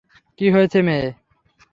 কী হয়েছে, মেয়ে?